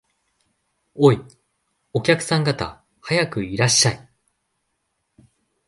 おい、お客さん方、早くいらっしゃい